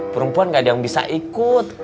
perempuan gak ada yang bisa ikut